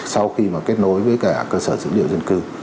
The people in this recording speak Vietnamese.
sau khi mà kết nối với cả cơ sở dữ liệu dân cư